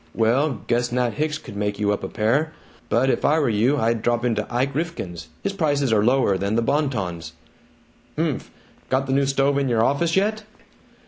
"Well, guess Nat Hicks could make you up a pair. But if I were you, I'd drop into Ike Rifkin's his prices are lower than the Bon Ton's." "Humph. Got the new stove in your office yet?"